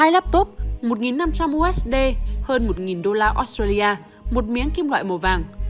hai laptop một năm trăm linh usd hơn một đô la australia một miếng kim loại màu vàng